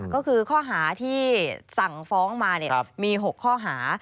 ก็คือข้อหาที่สั่งฟ้องมามี๖ข้อหา